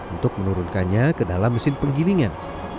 untuk menurunkannya ke dalam mesin penggilingan